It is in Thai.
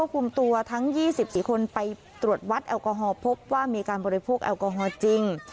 การดื่มปรับแบบนี้นอฮอล์จริง